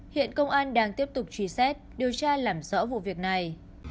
hiện công an đang tiếp tục truy xét điều tra làm rõ vụ việc này